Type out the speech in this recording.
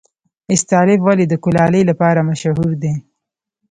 استالف ولې د کلالۍ لپاره مشهور دی؟